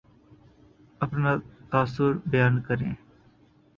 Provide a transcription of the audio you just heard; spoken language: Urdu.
اپنا تاثر بیان کریں